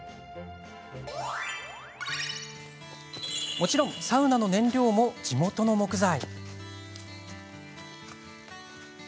もちろん、サウナの燃料も地元の木材。